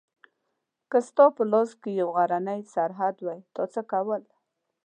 که ستا په لاس کې یو غرنی سرحد وای تا څه کول؟